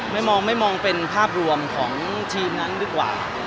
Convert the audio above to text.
ไม่มองเป็นภาพรวมของทีมนั้นดีกว่า